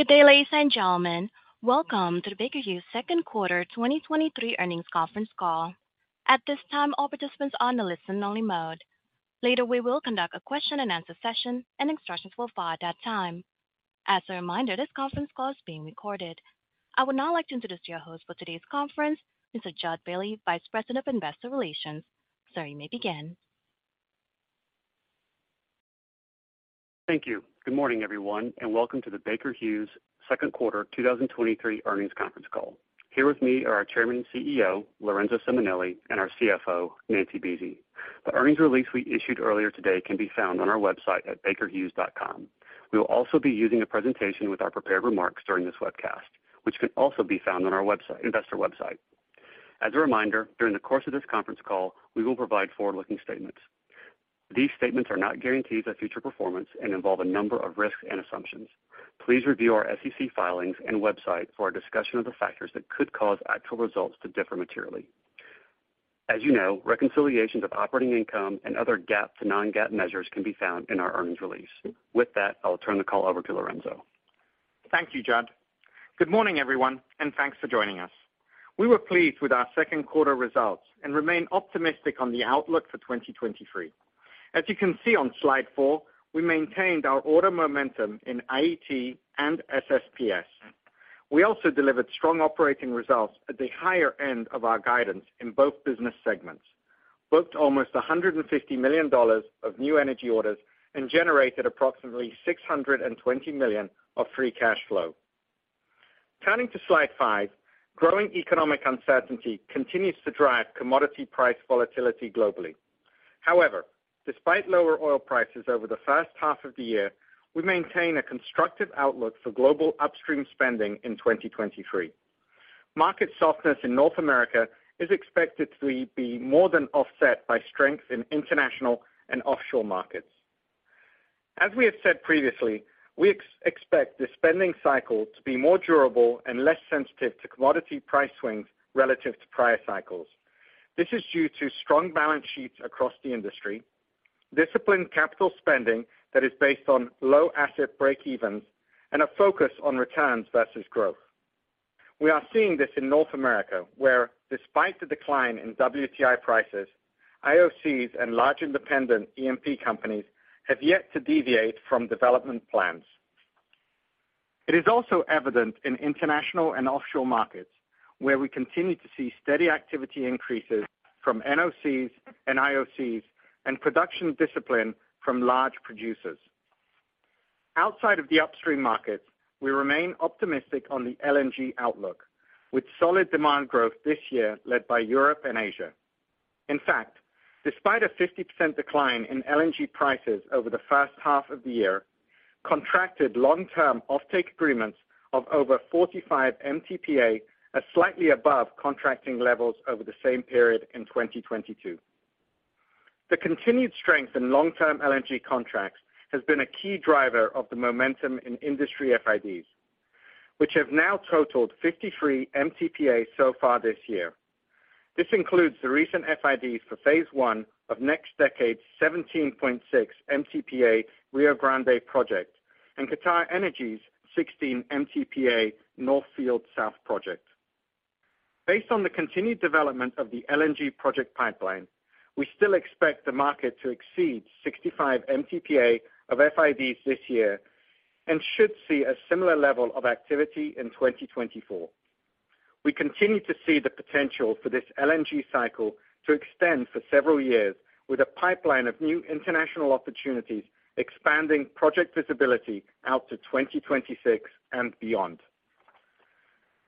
Good day, ladies and gentlemen. Welcome to the Baker Hughes second quarter 2023 earnings conference call. At this time, all participants are on the listen-only mode. Later, we will conduct a question-and-answer session, and instructions will follow at that time. As a reminder, this conference call is being recorded. I would now like to introduce your host for today's conference, Mr. Jud Bailey, Vice President of Investor Relations. Sir, you may begin. Thank you. Good morning, everyone. Welcome to the Baker Hughes second quarter 2023 earnings conference call. Here with me are our Chairman and CEO, Lorenzo Simonelli, and our CFO, Nancy Buese. The earnings release we issued earlier today can be found on our website at bakerhughes.com. We will also be using a presentation with our prepared remarks during this webcast, which can also be found on our investor website. As a reminder, during the course of this conference call, we will provide forward-looking statements. These statements are not guarantees of future performance and involve a number of risks and assumptions. Please review our SEC filings and website for a discussion of the factors that could cause actual results to differ materially. As you know, reconciliations of operating income and other GAAP to non-GAAP measures can be found in our earnings release. With that, I'll turn the call over to Lorenzo. Thank you, Jud. Good morning, everyone, and thanks for joining us. We were pleased with our second quarter results and remain optimistic on the outlook for 2023. As you can see on slide four, we maintained our order momentum in IET and SSPS. We also delivered strong operating results at the higher end of our guidance in both business segments, booked almost $150 million of new energy orders and generated approximately $620 million of free cash flow. Turning to slide five, growing economic uncertainty continues to drive commodity price volatility globally. However, despite lower oil prices over the first half of the year, we maintain a constructive outlook for global upstream spending in 2023. Market softness in North America is expected to be more than offset by strength in international and offshore markets. As we have said previously, we expect the spending cycle to be more durable and less sensitive to commodity price swings relative to prior cycles. This is due to strong balance sheets across the industry, disciplined capital spending that is based on low asset breakevens, and a focus on returns versus growth. We are seeing this in North America, where despite the decline in WTI prices, IOCs and large independent E&P companies have yet to deviate from development plans. It is also evident in international and offshore markets, where we continue to see steady activity increases from NOCs and IOCs and production discipline from large producers. Outside of the upstream markets, we remain optimistic on the LNG outlook, with solid demand growth this year led by Europe and Asia. In fact, despite a 50% decline in LNG prices over the first half of the year, contracted long-term offtake agreements of over 45 MTPA are slightly above contracting levels over the same period in 2022. The continued strength in long-term LNG contracts has been a key driver of the momentum in industry FIDs, which have now totaled 53 MTPA so far this year. This includes the recent FID for phase one of NextDecade's 17.6 MTPA Rio Grande project and QatarEnergy's 16 MTPA North Field South project. Based on the continued development of the LNG project pipeline, we still expect the market to exceed 65 MTPA of FIDs this year and should see a similar level of activity in 2024. We continue to see the potential for this LNG cycle to extend for several years, with a pipeline of new international opportunities expanding project visibility out to 2026 and beyond.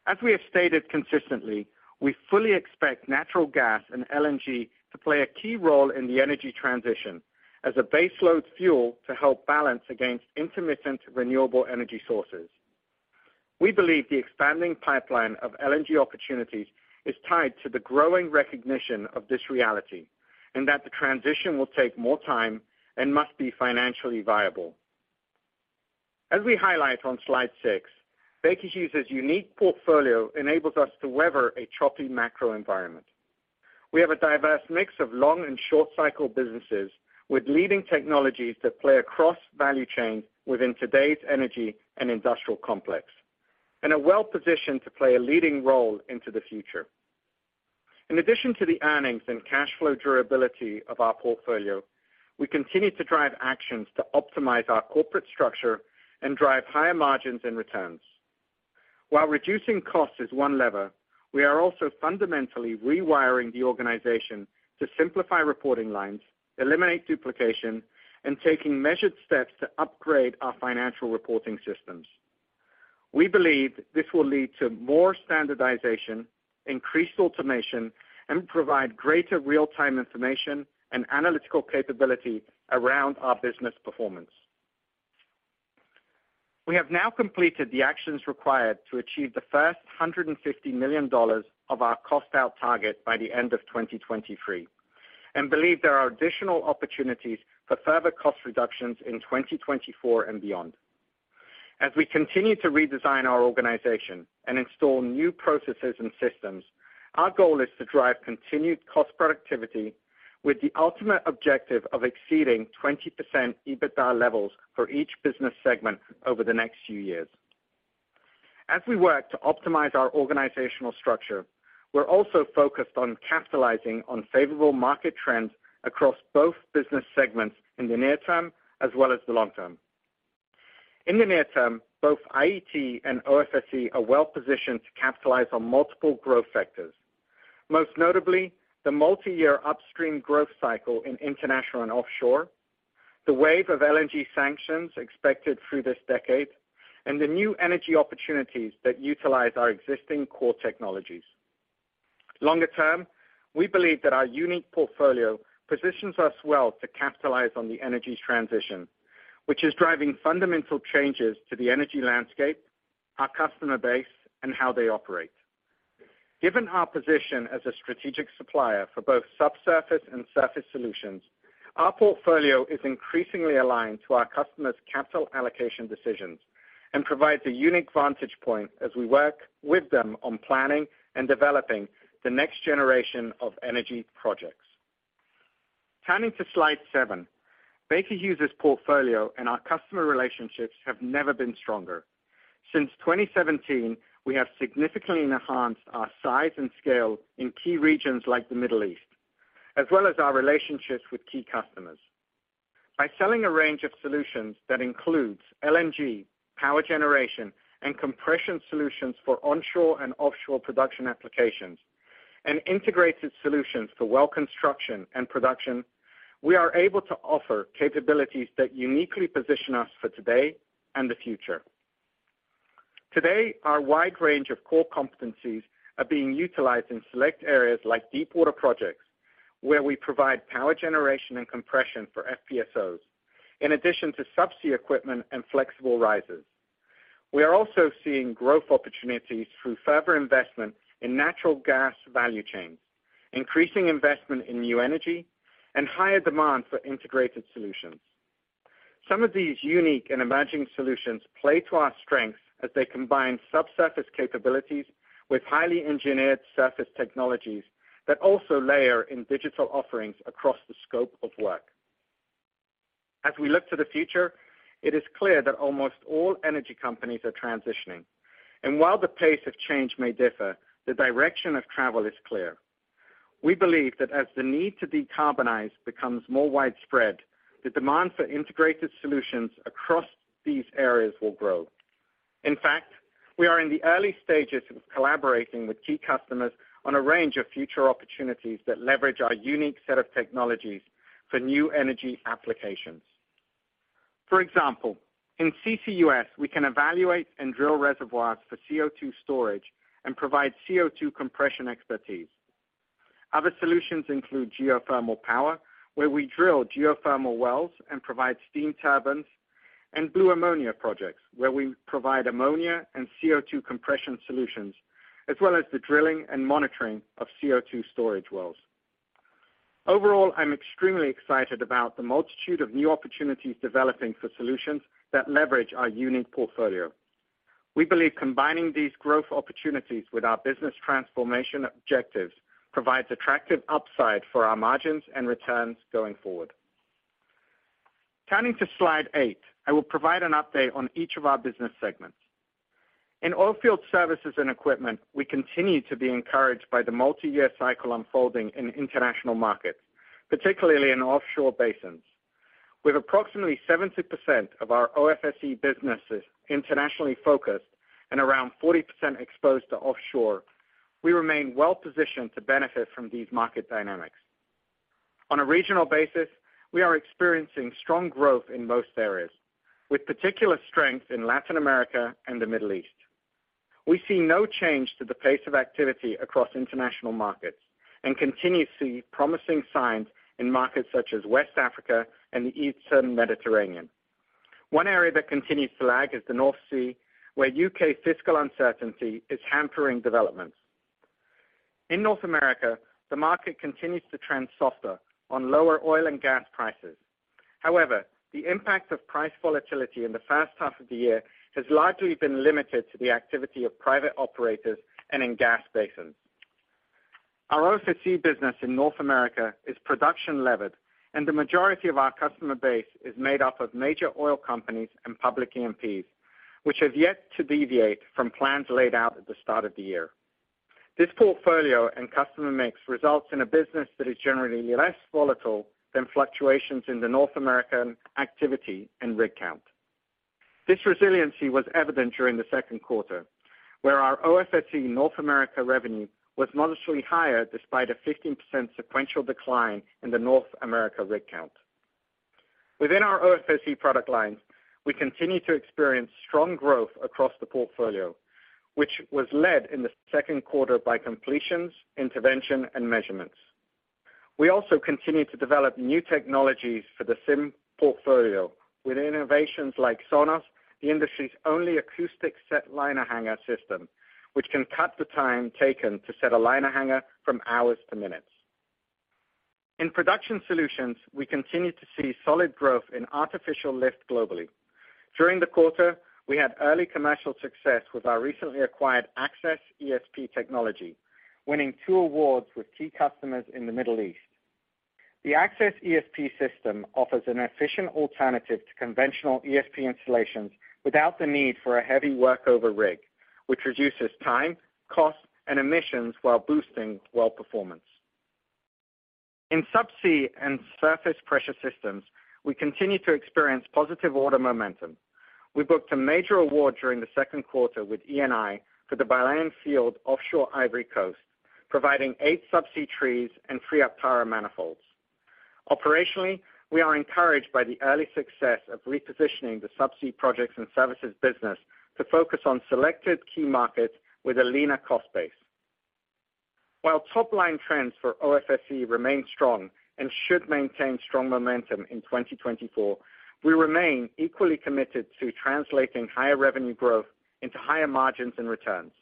As we have stated consistently, we fully expect natural gas and LNG to play a key role in the energy transition as a baseload fuel to help balance against intermittent renewable energy sources. We believe the expanding pipeline of LNG opportunities is tied to the growing recognition of this reality, and that the transition will take more time and must be financially viable. As we highlight on slide six, Baker Hughes' unique portfolio enables us to weather a choppy macro environment. We have a diverse mix of long and short cycle businesses with leading technologies that play across value chains within today's energy and industrial complex, and are well positioned to play a leading role into the future. In addition to the earnings and cash flow durability of our portfolio, we continue to drive actions to optimize our corporate structure and drive higher margins and returns. While reducing cost is one lever, we are also fundamentally rewiring the organization to simplify reporting lines, eliminate duplication, and taking measured steps to upgrade our financial reporting systems. We believe this will lead to more standardization, increased automation, and provide greater real-time information and analytical capability around our business performance. We have now completed the actions required to achieve the first $150 million of our cost-out target by the end of 2023 and believe there are additional opportunities for further cost reductions in 2024 and beyond. As we continue to redesign our organization and install new processes and systems, our goal is to drive continued cost productivity. with the ultimate objective of exceeding 20% EBITDA levels for each business segment over the next few years. As we work to optimize our organizational structure, we're also focused on capitalizing on favorable market trends across both business segments in the near term, as well as the long term. In the near term, both IET and OFSE are well positioned to capitalize on multiple growth factors. Most notably, the multi-year upstream growth cycle in international and offshore, the wave of LNG sanctions expected through this decade, and the new energy opportunities that utilize our existing core technologies. Longer term, we believe that our unique portfolio positions us well to capitalize on the energy transition, which is driving fundamental changes to the energy landscape, our customer base, and how they operate. Given our position as a strategic supplier for both subsurface and surface solutions, our portfolio is increasingly aligned to our customers' capital allocation decisions, and provides a unique vantage point as we work with them on planning and developing the next generation of energy projects. Turning to Slide seven, Baker Hughes's portfolio and our customer relationships have never been stronger. Since 2017, we have significantly enhanced our size and scale in key regions like the Middle East, as well as our relationships with key customers. By selling a range of solutions that includes LNG, power generation, and compression solutions for onshore and offshore production applications, and integrated solutions for well construction and production, we are able to offer capabilities that uniquely position us for today and the future. Today, our wide range of core competencies are being utilized in select areas like deepwater projects, where we provide power generation and compression for FPSOs, in addition to subsea equipment and flexible risers. We are also seeing growth opportunities through further investment in natural gas value chains, increasing investment in new energy, and higher demand for integrated solutions. Some of these unique and emerging solutions play to our strengths as they combine subsurface capabilities with highly engineered surface technologies that also layer in digital offerings across the scope of work. As we look to the future, it is clear that almost all energy companies are transitioning, and while the pace of change may differ, the direction of travel is clear. We believe that as the need to decarbonize becomes more widespread, the demand for integrated solutions across these areas will grow. In fact, we are in the early stages of collaborating with key customers on a range of future opportunities that leverage our unique set of technologies for new energy applications. For example, in CCUS, we can evaluate and drill reservoirs for CO2 storage and provide CO2 compression expertise. Other solutions include geothermal power, where we drill geothermal wells and provide steam turbines, and blue ammonia projects, where we provide ammonia and CO2 compression solutions, as well as the drilling and monitoring of CO2 storage wells. Overall, I'm extremely excited about the multitude of new opportunities developing for solutions that leverage our unique portfolio. We believe combining these growth opportunities with our business transformation objectives provides attractive upside for our margins and returns going forward. Turning to Slide eight, I will provide an update on each of our business segments. In Oilfield Services & Equipment, we continue to be encouraged by the multi-year cycle unfolding in international markets, particularly in offshore basins. With approximately 70% of our OFSE businesses internationally focused and around 40% exposed to offshore, we remain well positioned to benefit from these market dynamics. On a regional basis, we are experiencing strong growth in most areas, with particular strength in Latin America and the Middle East. We see no change to the pace of activity across international markets and continue to see promising signs in markets such as West Africa and the Eastern Mediterranean. One area that continues to lag is the North Sea, where UK fiscal uncertainty is hampering developments. In North America, the market continues to trend softer on lower oil and gas prices. However, the impact of price volatility in the first half of the year has largely been limited to the activity of private operators and in gas basins. Our OFSE business in North America is production-levered, and the majority of our customer base is made up of major oil companies and public E&Ps, which have yet to deviate from plans laid out at the start of the year. This portfolio and customer mix results in a business that is generally less volatile than fluctuations in the North American activity and rig count. This resiliency was evident during the second quarter, where our OFSE North America revenue was modestly higher, despite a 15% sequential decline in the North America rig count. Within our OFSE product lines, we continue to experience strong growth across the portfolio, which was led in the second quarter by completions, intervention, and measurements. We also continue to develop new technologies for the SIM portfolio with innovations like Sonus, the industry's only acoustic set liner hanger system, which can cut the time taken to set a liner hanger from hours to minutes. In production solutions, we continue to see solid growth in artificial lift globally. During the quarter, we had early commercial success with our recently acquired AccessESP technology, winning two awards with key customers in the Middle East. The AccessESP system offers an efficient alternative to conventional ESP installations without the need for a heavy workover rig, which reduces time, cost, and emissions while boosting well performance. In subsea and surface pressure systems, we continue to experience positive order momentum. We booked a major award during the second quarter with Eni for the Baleine field offshore Ivory Coast, providing eight subsea trees and three Aptara manifolds. Operationally, we are encouraged by the early success of repositioning the subsea projects and services business to focus on selected key markets with a leaner cost base. While top-line trends for OFSE remain strong and should maintain strong momentum in 2024, we remain equally committed to translating higher revenue growth into higher margins and returns.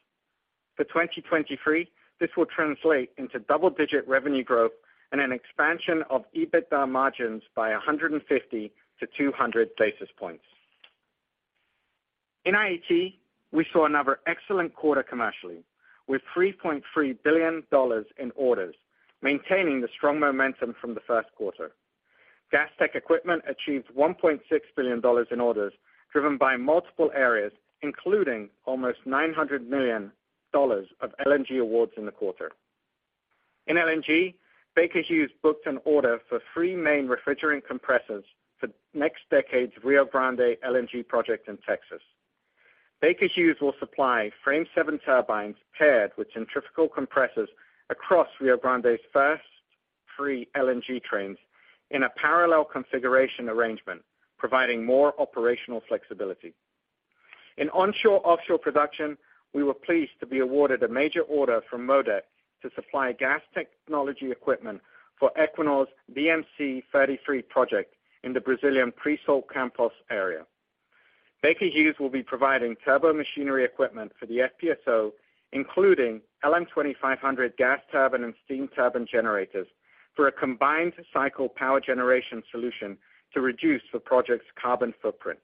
For 2023, this will translate into double-digit revenue growth and an expansion of EBITDA margins by 150 to 200 basis points. In IET, we saw another excellent quarter commercially, with $3.3 billion in orders, maintaining the strong momentum from the first quarter. Gas Tech equipment achieved $1.6 billion in orders, driven by multiple areas, including almost $900 million of LNG awards in the quarter. In LNG, Baker Hughes booked an order for three main refrigerant compressors for NextDecade's Rio Grande LNG project in Texas. Baker Hughes will supply Frame 7 turbines paired with centrifugal compressors across Rio Grande's first three LNG trains in a parallel configuration arrangement, providing more operational flexibility. In onshore-offshore production, we were pleased to be awarded a major order from MODEC to supply gas technology equipment for Equinor's BM-C-33 project in the Brazilian Pre-Salt Campos area. Baker Hughes will be providing turbomachinery equipment for the FPSO, including LM2500 gas turbine and steam turbine generators, for a combined cycle power generation solution to reduce the project's carbon footprint.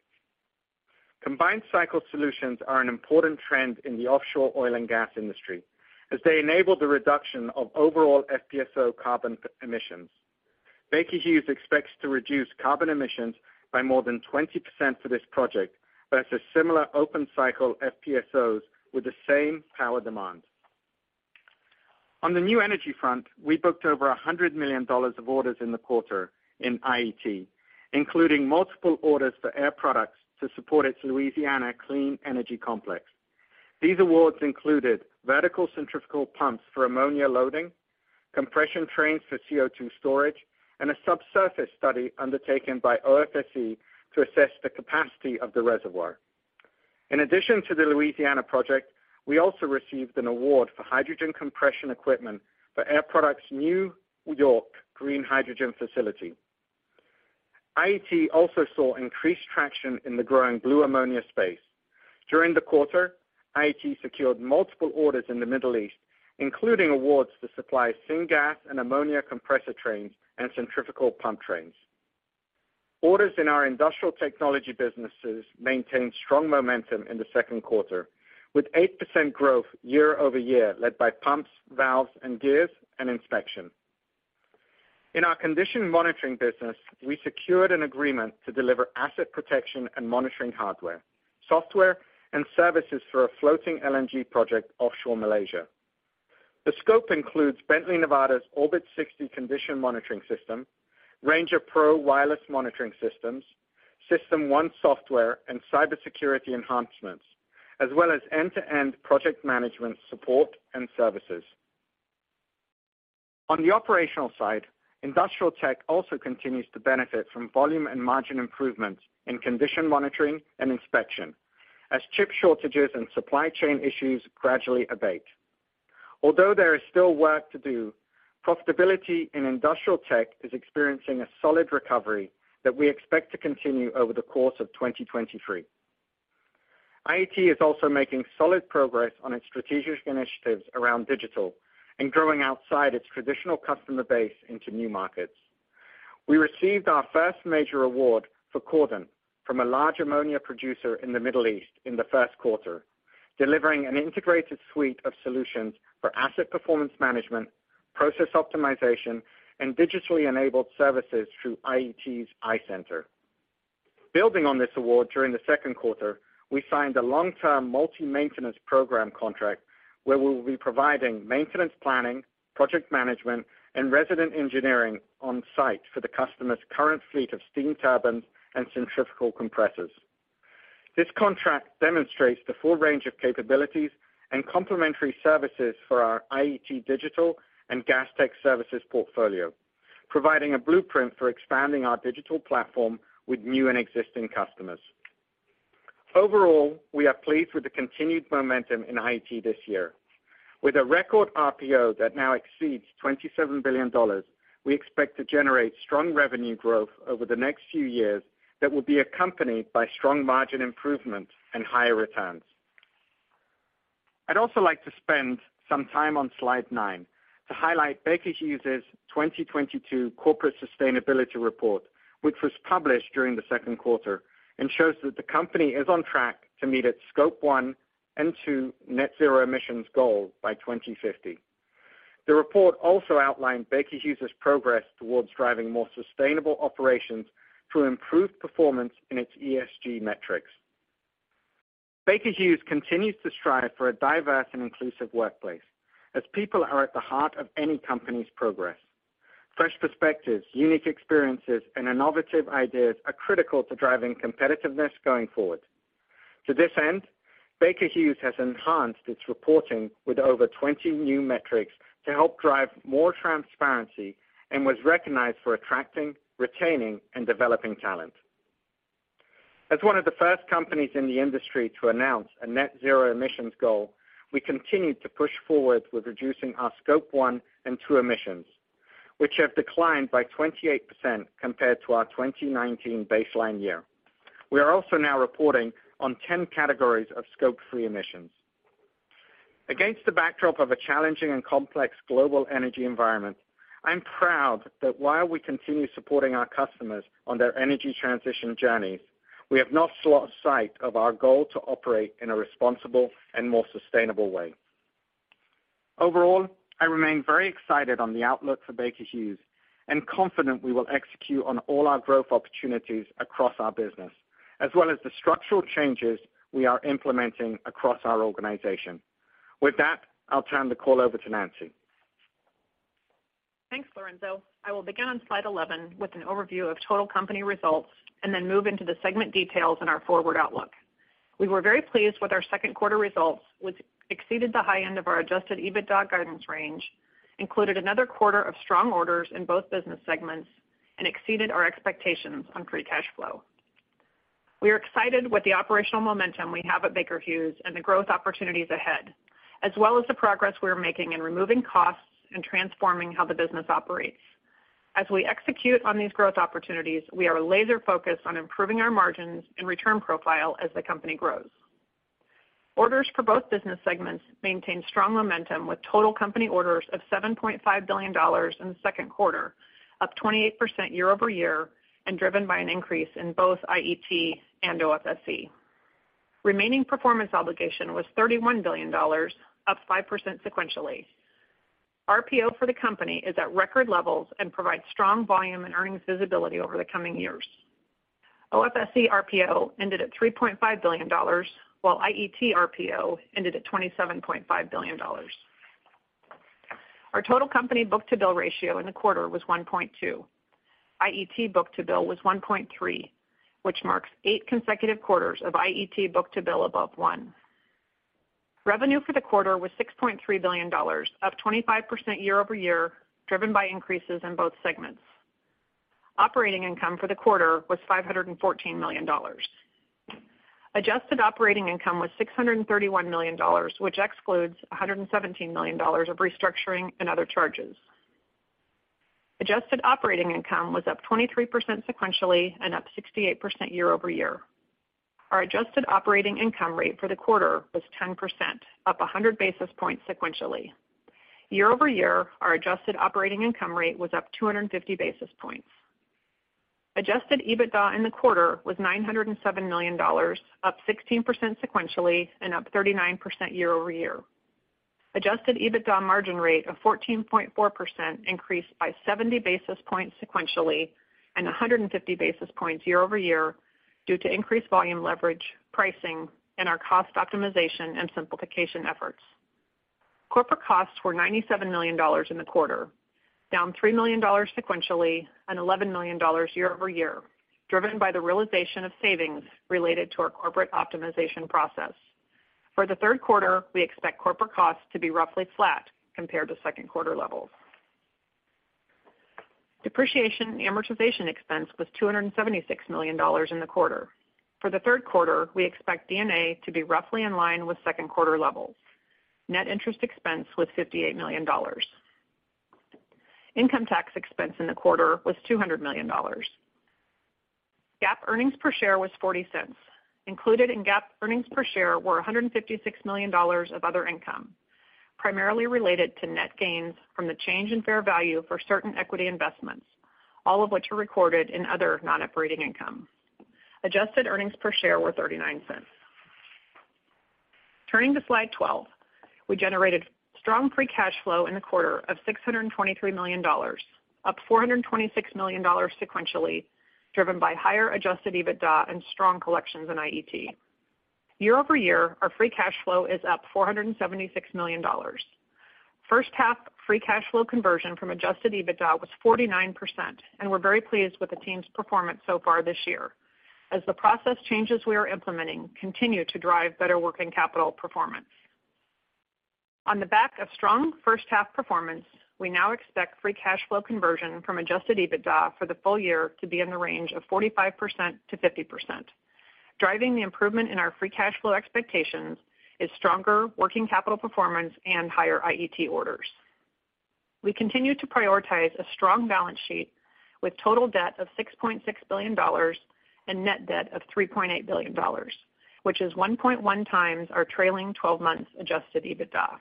Combined cycle solutions are an important trend in the offshore oil and gas industry as they enable the reduction of overall FPSO carbon emissions. Baker Hughes expects to reduce carbon emissions by more than 20% for this project versus similar open-cycle FPSOs with the same power demand. On the new energy front, we booked over $100 million of orders in the quarter in IET, including multiple orders for Air Products to support its Louisiana Clean Energy Complex. These awards included vertical centrifugal pumps for ammonia loading, compression trains for CO2 storage, and a subsurface study undertaken by OFSE to assess the capacity of the reservoir. In addition to the Louisiana project, we also received an award for hydrogen compression equipment for Air Products' New York Green Hydrogen facility. IET also saw increased traction in the growing blue ammonia space. During the quarter, IET secured multiple orders in the Middle East, including awards to supply syngas and ammonia compressor trains and centrifugal pump trains. Orders in our industrial technology businesses maintained strong momentum in the second quarter, with 8% growth year-over-year, led by pumps, valves, and gears and inspection. In our condition monitoring business, we secured an agreement to deliver asset protection and monitoring hardware, software, and services for a floating LNG project offshore Malaysia. The scope includes Bently Nevada's Orbit 60 Condition Monitoring System, Ranger Pro Wireless Monitoring Systems, System 1 software, and cybersecurity enhancements, as well as end-to-end project management support and services. The operational side, industrial tech also continues to benefit from volume and margin improvements in condition monitoring and inspection as chip shortages and supply chain issues gradually abate. There is still work to do, profitability in industrial tech is experiencing a solid recovery that we expect to continue over the course of 2023. IET is also making solid progress on its strategic initiatives around digital and growing outside its traditional customer base into new markets. We received our first major award for Cordant from a large ammonia producer in the Middle East in the first quarter, delivering an integrated suite of solutions for asset performance management, process optimization, and digitally enabled services through IET's iCenter. Building on this award during the second quarter, we signed a long-term multi-maintenance program contract, where we will be providing maintenance, planning, project management, and resident engineering on site for the customer's current fleet of steam turbines and centrifugal compressors. This contract demonstrates the full range of capabilities and complementary services for our IET Digital and Gas Tech services portfolio, providing a blueprint for expanding our digital platform with new and existing customers. We are pleased with the continued momentum in IET this year. With a record RPO that now exceeds $27 billion, we expect to generate strong revenue growth over the next few years that will be accompanied by strong margin improvement and higher returns. I'd also like to spend some time on slide nine to highlight Baker Hughes' 2022 Corporate Sustainability Report, which was published during the second quarter and shows that the company is on track to meet its Scope one and two net zero emissions goal by 2050. The report also outlined Baker Hughes' progress towards driving more sustainable operations through improved performance in its ESG metrics. Baker Hughes continues to strive for a diverse and inclusive workplace, as people are at the heart of any company's progress. Fresh perspectives, unique experiences, and innovative ideas are critical to driving competitiveness going forward. To this end, Baker Hughes has enhanced its reporting with over 20 new metrics to help drive more transparency and was recognized for attracting, retaining, and developing talent. As one of the first companies in the industry to announce a net zero emissions goal, we continued to push forward with reducing our Scope one and two emissions, which have declined by 28% compared to our 2019 baseline year. We are also now reporting on 10 categories of Scope three emissions. Against the backdrop of a challenging and complex global energy environment, I'm proud that while we continue supporting our customers on their energy transition journeys, we have not lost sight of our goal to operate in a responsible and more sustainable way. Overall, I remain very excited on the outlook for Baker Hughes and confident we will execute on all our growth opportunities across our business, as well as the structural changes we are implementing across our organization. With that, I'll turn the call over to Nancy. Thanks, Lorenzo. I will begin on slide 11 with an overview of total company results and move into the segment details and our forward outlook. We were very pleased with our second quarter results, which exceeded the high end of our adjusted EBITDA guidance range, included another quarter of strong orders in both business segments, and exceeded our expectations on free cash flow. We are excited with the operational momentum we have at Baker Hughes and the growth opportunities ahead, as well as the progress we are making in removing costs and transforming how the business operates. As we execute on these growth opportunities, we are laser focused on improving our margins and return profile as the company grows. Orders for both business segments maintained strong momentum, with total company orders of $7.5 billion in the second quarter, up 28% year-over-year and driven by an increase in both IET and OFSE. Remaining performance obligation was $31 billion, up 5% sequentially. RPO for the company is at record levels and provides strong volume and earnings visibility over the coming years. OFSE RPO ended at $3.5 billion, while IET RPO ended at $27.5 billion. Our total company book-to-bill ratio in the quarter was 1.2. IET book-to-bill was 1.3, which marks eight consecutive quarters of IET book-to-bill above 1. Revenue for the quarter was $6.3 billion, up 25% year-over-year, driven by increases in both segments. Operating income for the quarter was $514 million. Adjusted operating income was $631 million, which excludes $117 million of restructuring and other charges. Adjusted operating income was up 23% sequentially and up 68% year-over-year. Our adjusted operating income rate for the quarter was 10%, up 100 basis points sequentially. Year-over-year, our adjusted operating income rate was up 250 basis points. Adjusted EBITDA in the quarter was $907 million, up 16% sequentially and up 39% year-over-year. Adjusted EBITDA margin rate of 14.4% increased by 70 basis points sequentially and 150 basis points year-over-year due to increased volume leverage, pricing, and our cost optimization and simplification efforts. Corporate costs were $97 million in the quarter, down $3 million sequentially and $11 million year-over-year, driven by the realization of savings related to our corporate optimization process. For the third quarter, we expect corporate costs to be roughly flat compared to second quarter levels. Depreciation and amortization expense was $276 million in the quarter. For the third quarter, we expect D&A to be roughly in line with second quarter levels. Net interest expense was $58 million. Income tax expense in the quarter was $200 million. GAAP earnings per share was $0.40. Included in GAAP earnings per share were $156 million of other income, primarily related to net gains from the change in fair value for certain equity investments, all of which are recorded in other non-operating income. Adjusted earnings per share were $0.39. Turning to slide 12, we generated strong free cash flow in the quarter of $623 million, up $426 million sequentially, driven by higher adjusted EBITDA and strong collections in IET. Year-over-year, our free cash flow is up $476 million. First half free cash flow conversion from adjusted EBITDA was 49%, and we're very pleased with the team's performance so far this year, as the process changes we are implementing continue to drive better working capital performance. On the back of strong first half performance, we now expect free cash flow conversion from adjusted EBITDA for the full year to be in the range of 45%-50%. Driving the improvement in our free cash flow expectations is stronger working capital performance and higher IET orders. We continue to prioritize a strong balance sheet with total debt of $6.6 billion and net debt of $3.8 billion, which is 1.1 times our trailing twelve months adjusted EBITDA.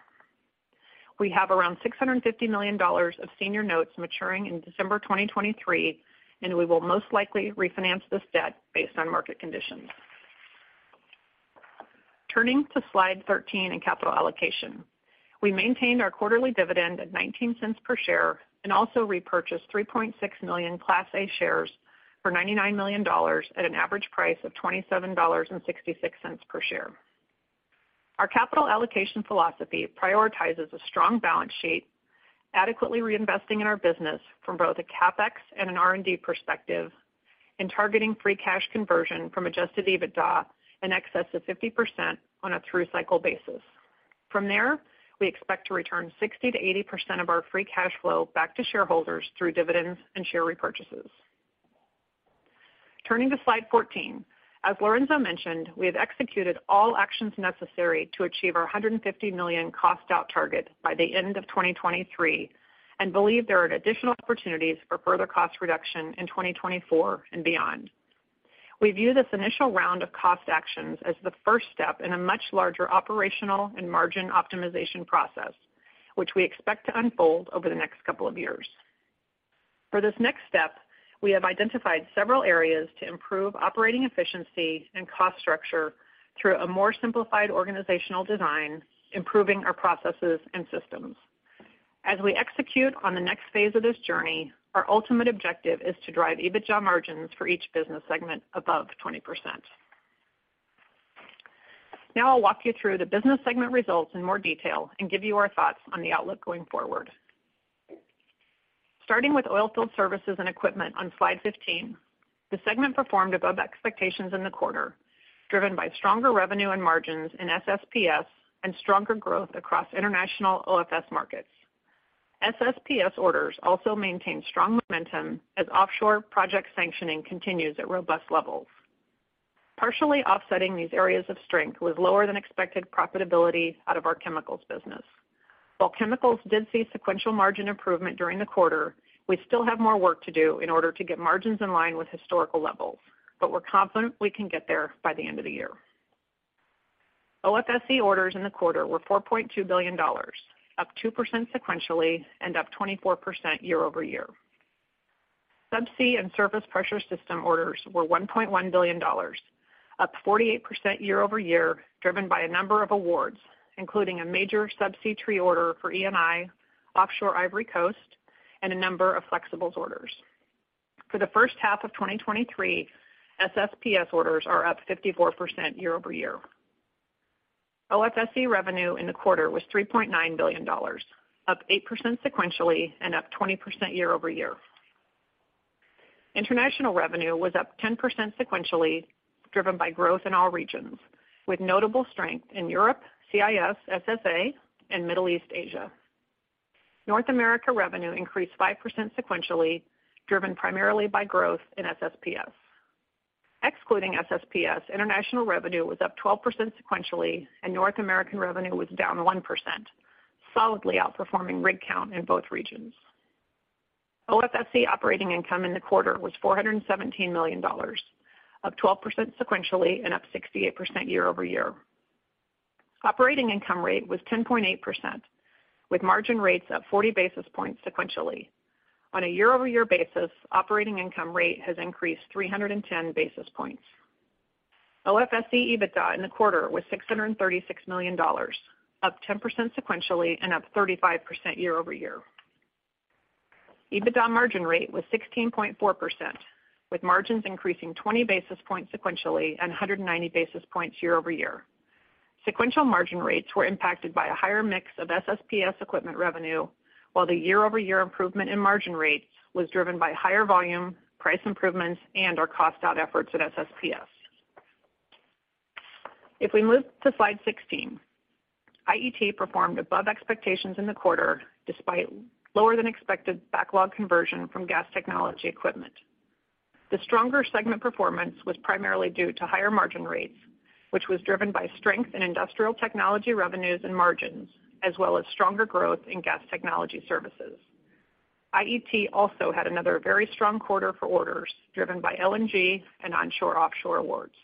We have around $650 million of senior notes maturing in December 2023, we will most likely refinance this debt based on market conditions. Turning to slide 13 in capital allocation. We maintained our quarterly dividend at $0.19 per share and also repurchased 3.6 million Class A shares for $99 million at an average price of $27.66 per share. Our capital allocation philosophy prioritizes a strong balance sheet, adequately reinvesting in our business from both a CapEx and an R&D perspective, and targeting free cash conversion from adjusted EBITDA in excess of 50% on a through-cycle basis. From there, we expect to return 60%-80% of our free cash flow back to shareholders through dividends and share repurchases. Turning to slide 14. As Lorenzo mentioned, we have executed all actions necessary to achieve our $150 million cost out target by the end of 2023 and believe there are additional opportunities for further cost reduction in 2024 and beyond. We view this initial round of cost actions as the first step in a much larger operational and margin optimization process, which we expect to unfold over the next couple of years. For this next step, we have identified several areas to improve operating efficiency and cost structure through a more simplified organizational design, improving our processes and systems. As we execute on the next phase of this journey, our ultimate objective is to drive EBITDA margins for each business segment above 20%. I'll walk you through the business segment results in more detail and give you our thoughts on the outlook going forward. Starting with Oilfield Services & Equipment on slide 15, the segment performed above expectations in the quarter, driven by stronger revenue and margins in SSPS and stronger growth across international OFS markets. SSPS orders also maintained strong momentum as offshore project sanctioning continues at robust levels. Partially offsetting these areas of strength was lower than expected profitability out of our chemicals business. While chemicals did see sequential margin improvement during the quarter, we still have more work to do in order to get margins in line with historical levels, we're confident we can get there by the end of the year. OFSE orders in the quarter were $4.2 billion, up 2% sequentially and up 24% year-over-year. Subsea and surface pressure system orders were $1.1 billion, up 48% year-over-year, driven by a number of awards, including a major subsea tree order for Eni, offshore Ivory Coast and a number of flexibles orders. For the first half of 2023, SSPS orders are up 54% year-over-year. OFSE revenue in the quarter was $3.9 billion, up 8% sequentially and up 20% year-over-year. International revenue was up 10% sequentially, driven by growth in all regions, with notable strength in Europe, CIS, SSA, and Middle East Asia. North America revenue increased 5% sequentially, driven primarily by growth in SSPS. Excluding SSPS, international revenue was up 12% sequentially, and North American revenue was down 1%, solidly outperforming rig count in both regions. OFSE operating income in the quarter was $417 million, up 12% sequentially and up 68% year-over-year. Operating income rate was 10.8%, with margin rates up 40 basis points sequentially. On a year-over-year basis, operating income rate has increased 310 basis points. OFSE EBITDA in the quarter was $636 million, up 10% sequentially and up 35% year-over-year. EBITDA margin rate was 16.4%, with margins increasing 20 basis points sequentially and 190 basis points year-over-year. Sequential margin rates were impacted by a higher mix of SSPS equipment revenue, while the year-over-year improvement in margin rates was driven by higher volume, price improvements, and our cost out efforts at SSPS. If we move to slide 16, IET performed above expectations in the quarter despite lower than expected backlog conversion from gas technology equipment. The stronger segment performance was primarily due to higher margin rates, which was driven by strength in industrial technology revenues and margins, as well as stronger growth in gas technology services. IET also had another very strong quarter for orders driven by LNG and onshore-offshore awards.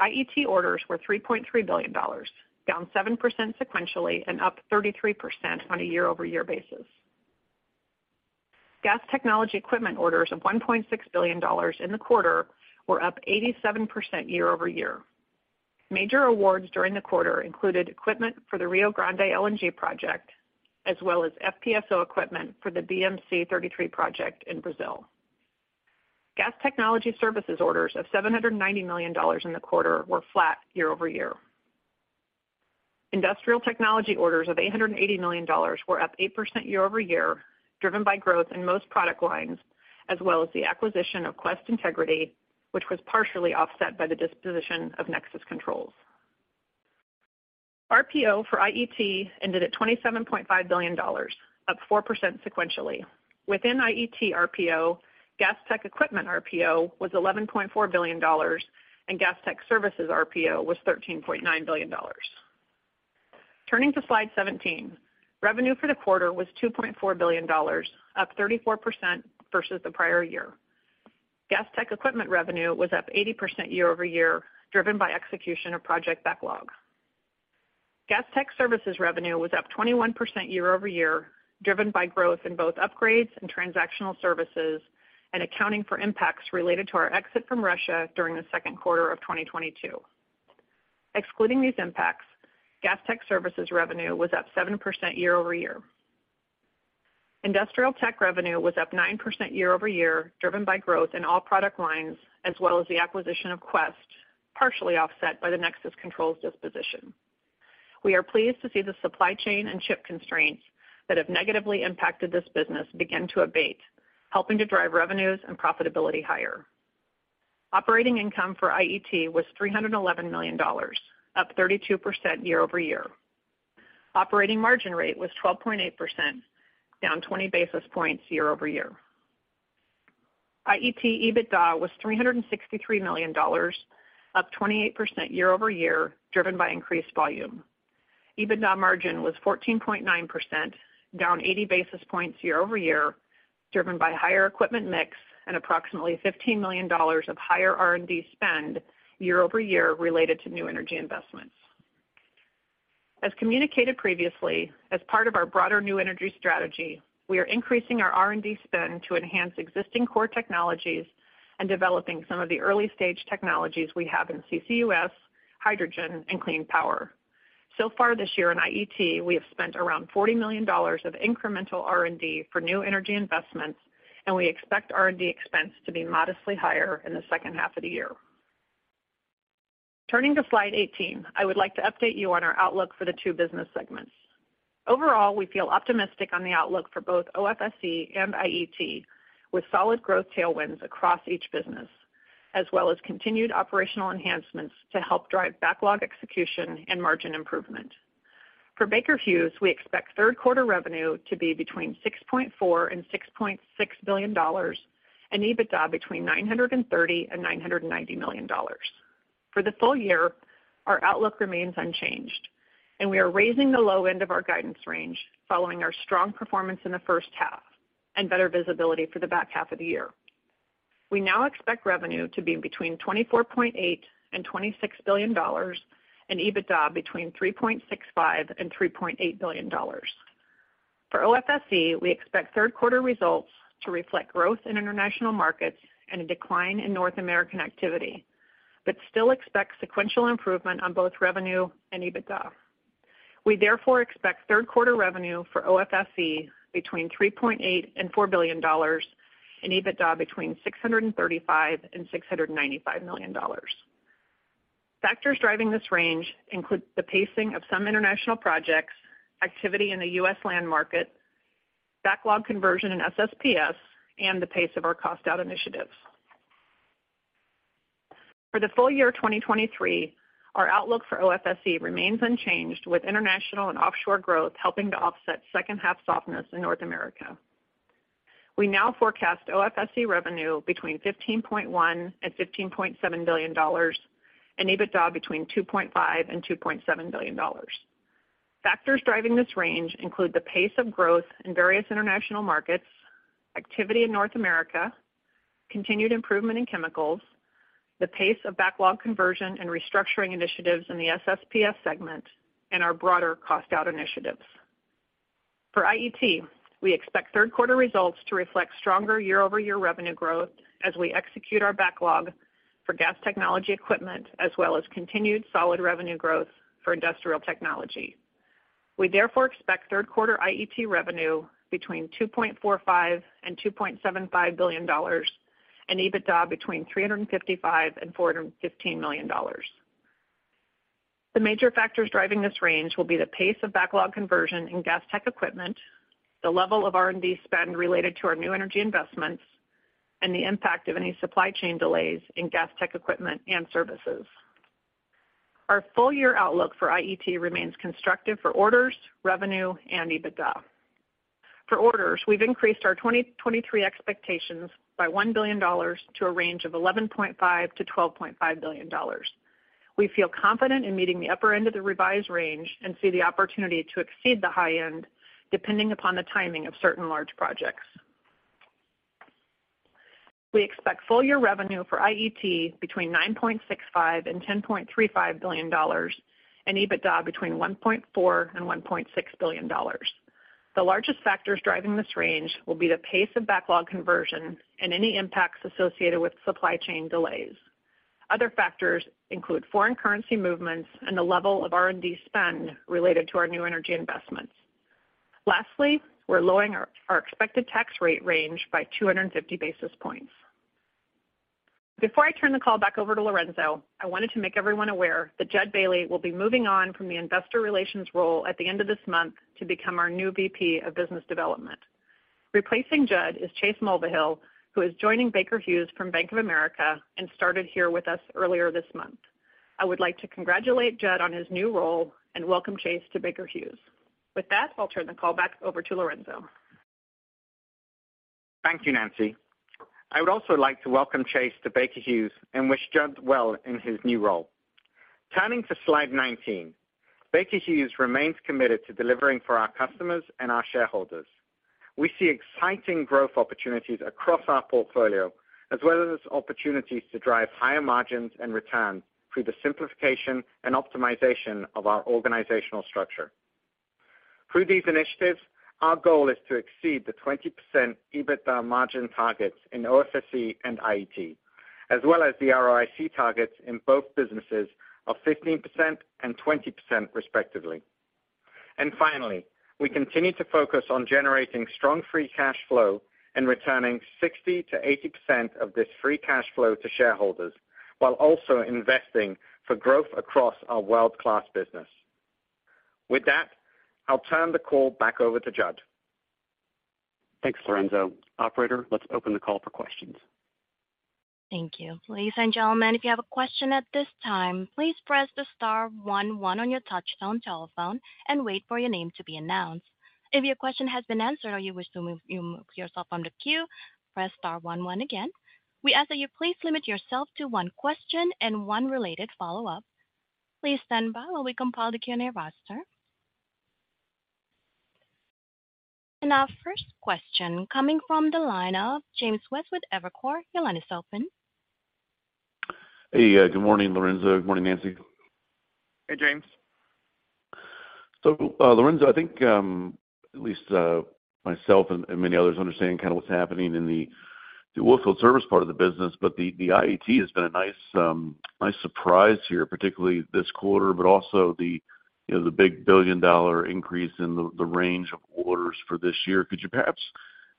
IET orders were $3.3 billion, down 7% sequentially and up 33% on a year-over-year basis. Gas technology equipment orders of $1.6 billion in the quarter were up 87% year-over-year. Major awards during the quarter included equipment for the Rio Grande LNG Project, as well as FPSO equipment for the BM C-33 project in Brazil. Gas technology services orders of $790 million in the quarter were flat year-over-year. Industrial technology orders of $880 million were up 8% year-over-year, driven by growth in most product lines, as well as the acquisition of Quest Integrity, which was partially offset by the disposition of Nexus Controls. RPO for IET ended at $27.5 billion, up 4% sequentially. Within IET RPO, Gas Tech Equipment RPO was $11.4 billion, and Gas Tech Services RPO was $13.9 billion. Turning to Slide 17, revenue for the quarter was $2.4 billion, up 34% versus the prior year. Gas Tech Equipment revenue was up 80% year-over-year, driven by execution of project backlog. Gas Tech Services revenue was up 21% year-over-year, driven by growth in both upgrades and transactional services, accounting for impacts related to our exit from Russia during the second quarter of 2022. Excluding these impacts, Gas Tech Services revenue was up 7% year-over-year. Industrial Tech revenue was up 9% year-over-year, driven by growth in all product lines, as well as the acquisition of Quest, partially offset by the Nexus Controls disposition. We are pleased to see the supply chain and chip constraints that have negatively impacted this business begin to abate, helping to drive revenues and profitability higher. Operating income for IET was $311 million, up 32% year-over-year. Operating margin rate was 12.8%, down 20 basis points year-over-year. IET EBITDA was $363 million, up 28% year-over-year, driven by increased volume. EBITDA margin was 14.9%, down 80 basis points year-over-year, driven by higher equipment mix and approximately $15 million of higher R&D spend year-over-year related to new energy investments. As communicated previously, as part of our broader new energy strategy, we are increasing our R&D spend to enhance existing core technologies and developing some of the early-stage technologies we have in CCUS, hydrogen, and clean power. Far this year in IET, we have spent around $40 million of incremental R&D for new energy investments, and we expect R&D expense to be modestly higher in the second half of the year. Turning to Slide 18, I would like to update you on our outlook for the two business segments. Overall, we feel optimistic on the outlook for both OFSE and IET, with solid growth tailwinds across each business, as well as continued operational enhancements to help drive backlog execution and margin improvement. For Baker Hughes, we expect third quarter revenue to be between $6.4 billion and $6.6 billion, and EBITDA between $930 million and $990 million. For the full year, our outlook remains unchanged, we are raising the low end of our guidance range following our strong performance in the first half and better visibility for the back half of the year. We now expect revenue to be between $24.8 billion and $26 billion, and EBITDA between $3.65 billion and $3.8 billion. For OFSE, we expect third quarter results to reflect growth in international markets and a decline in North American activity, still expect sequential improvement on both revenue and EBITDA. We therefore expect third quarter revenue for OFSE between $3.8 billion and $4 billion, and EBITDA between $635 million and $695 million. Factors driving this range include the pacing of some international projects, activity in the U.S. land market, backlog conversion in SSPS, and the pace of our cost out initiatives. For the full year 2023, our outlook for OFSE remains unchanged, with international and offshore growth helping to offset second-half softness in North America. We now forecast OFSE revenue between $15.1 billion and $15.7 billion, and EBITDA between $2.5 billion and $2.7 billion. Factors driving this range include the pace of growth in various international markets, activity in North America, continued improvement in chemicals, the pace of backlog conversion and restructuring initiatives in the SSPS segment, and our broader cost out initiatives. For IET, we expect third quarter results to reflect stronger year-over-year revenue growth as we execute our backlog for gas technology equipment, as well as continued solid revenue growth for industrial technology. We therefore expect third quarter IET revenue between $2.45 billion and $2.75 billion, and EBITDA between $355 million and $415 million. The major factors driving this range will be the pace of backlog conversion in gas tech equipment, the level of R&D spend related to our new energy investments, and the impact of any supply chain delays in gas tech equipment and services. Our full year outlook for IET remains constructive for orders, revenue, and EBITDA. For orders, we've increased our 2023 expectations by $1 billion to a range of $11.5 billion-$12.5 billion. We feel confident in meeting the upper end of the revised range and see the opportunity to exceed the high end, depending upon the timing of certain large projects. We expect full year revenue for IET between $9.65 billion and $10.35 billion, and EBITDA between $1.4 billion and $1.6 billion. The largest factors driving this range will be the pace of backlog conversion and any impacts associated with supply chain delays. Other factors include foreign currency movements and the level of R&D spend related to our new energy investments. Lastly, we're lowering our expected tax rate range by 250 basis points. Before I turn the call back over to Lorenzo, I wanted to make everyone aware that Jud Bailey will be moving on from the investor relations role at the end of this month to become our new VP of Business Development. Replacing Jud is Chase Mulvihill, who is joining Baker Hughes from Bank of America and started here with us earlier this month. I would like to congratulate Jud on his new role and welcome Chase to Baker Hughes. With that, I'll turn the call back over to Lorenzo. Thank you, Nancy. I would also like to welcome Chase to Baker Hughes and wish Jud well in his new role. Turning to slide 19, Baker Hughes remains committed to delivering for our customers and our shareholders. We see exciting growth opportunities across our portfolio, as well as opportunities to drive higher margins and return through the simplification and optimization of our organizational structure. Through these initiatives, our goal is to exceed the 20% EBITDA margin targets in OFSE and IET, as well as the ROIC targets in both businesses of 15% and 20% respectively. Finally, we continue to focus on generating strong free cash flow and returning 60%-80% of this free cash flow to shareholders, while also investing for growth across our world-class business. With that, I'll turn the call back over to Jud. Thanks, Lorenzo. Operator, let's open the call for questions. Thank you. Ladies and gentlemen, if you have a question at this time, please press the star one one on your touch-tone telephone and wait for your name to be announced. If your question has been answered or you wish to move yourself on the queue, press star one one again. We ask that you please limit yourself to one question and one related follow-up. Please stand by while we compile the Q&A roster. Our first question coming from the line of James West with Evercore. Your line is open. Hey, good morning, Lorenzo. Good morning, Nancy. Hey, James. Lorenzo, I think, at least myself and many others understand kind of what's happening in the oilfield service part of the business, but the IET has been a nice surprise here, particularly this quarter, but also, you know, the big $1 billion increase in the range of orders for this year. Could you perhaps,